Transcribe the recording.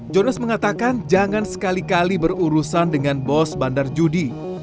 jonas mengatakan jangan sekali kali berurusan dengan bos bandar judi